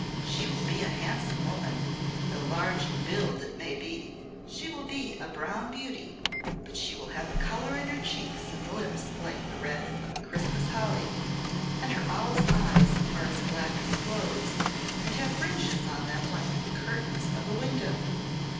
"She will be a handsome woman though large in build, it may be. She will be a brown beauty, but she will have a colour in her cheeks and lips like the red of Christmas holly, and her owl's eyes are as black as sloes, and have fringes on them like the curtains of a window.